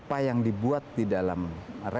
apa yang dibuat di dalam rangka